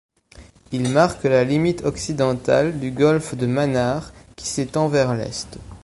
Il marque la limite occidentale du golfe de Mannar qui s'étend vers l'est.